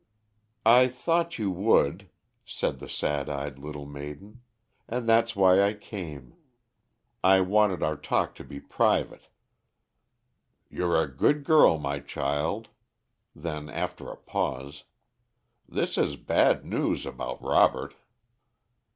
"I thought you would," said the sad eyed little maiden, "and that's why I came. I wanted our talk to be private." "You're a good girl, my child." Then, after a pause, "This is bad news about Robert."